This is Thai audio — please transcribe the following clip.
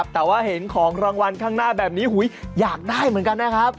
แต่ว่าเห็นของรางวัลข้างหน้าแบบนี้อยากได้เหมือนกันนะครับ